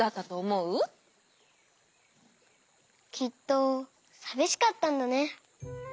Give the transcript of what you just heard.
きっとさびしかったんだね。